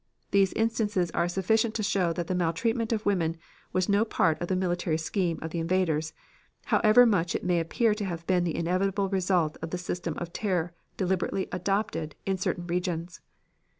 These instances are sufficient to show that the maltreatment of women was no part of the military scheme of the invaders, however much it may appear to have been the inevitable result of the system of terror deliberately adopted in certain regions.